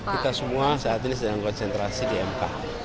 kita semua saat ini sedang koncentrasi dmk